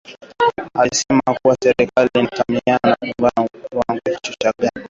Alisema kuwa serikali inatathmini kiwango gani kinadaiwa na mchakato huo unaweza kuchukua zaidi ya mwezi mmoja